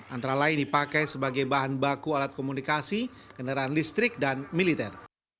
antara lain dipakai sebagai bahan baku alat komunikasi kendaraan listrik dan militer